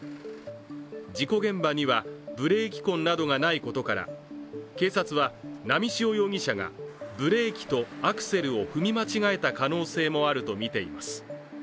事故現場にはブレーキ痕などがないことから警察は波汐容疑者がブレーキとアクセルを踏み間違えた可能性もあるとみています。